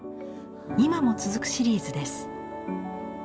今も続くシリーズです。